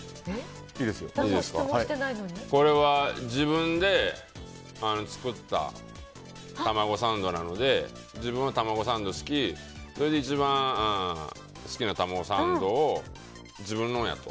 これは、自分で作ったタマゴサンドなので自分がタマゴサンドが好きそれで一番好きなタマゴサンドが自分のやと。